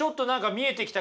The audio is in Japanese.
見えてきた？